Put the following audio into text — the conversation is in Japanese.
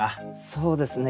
そうですね。